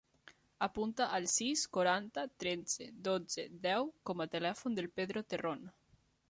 Apunta el sis, quaranta, tretze, dotze, deu com a telèfon del Pedro Terron.